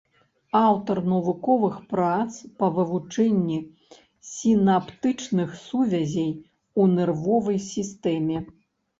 Аўтар навуковых прац па вывучэнні сінаптычных сувязей у нервовай сістэме.